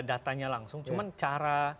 datanya langsung cuma cara